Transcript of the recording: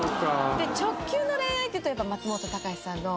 直球の恋愛っていうとやっぱ松本隆さんの歌詞が。